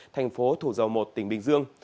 thành phố thủ dầu một tỉnh bình dương